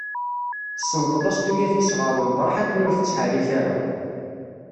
Tessenṭeḍ-as tuyat-is ɣer umeṭraḥ akken ur tettḥerrik ara.